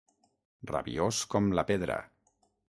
Rabiós com la pedra.